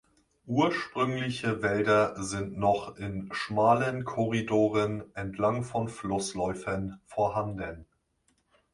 Ursprüngliche Wälder sind noch in schmalen Korridoren entlang von Flussläufen vorhanden.